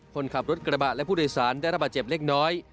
คนขับรถกระบะและผู้โดยสารได้ระบาดเจ็บเล็กน้อย